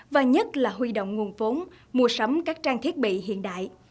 và nhất là huy động nguồn vốn mua sắm các trang thiết bị hiện đại